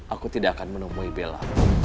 aku tidak akan menemui bella